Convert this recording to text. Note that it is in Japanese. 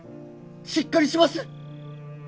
しっかりします！